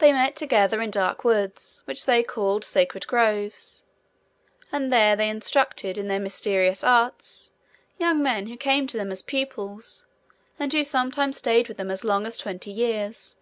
They met together in dark woods, which they called Sacred Groves; and there they instructed, in their mysterious arts, young men who came to them as pupils, and who sometimes stayed with them as long as twenty years.